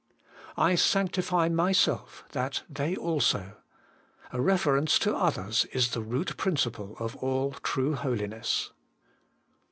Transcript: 5. ' I sanctify Myself, that they also :' a reference to others is the root.' principle of all true holiness.